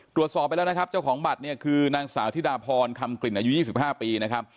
ตรวจสอบไปแล้วนะครับเจ้าของบัตรเนี่ยคือนางสาวธิดาพรคำกลิ่นอายุ๒๕ปีนะครับ